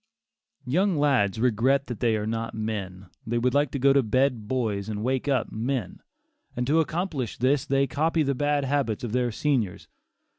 Young lads regret that they are not men; they would like to go to bed boys and wake up men; and to accomplish this they copy the bad habits of their seniors.